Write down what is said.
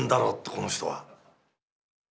この人は？」。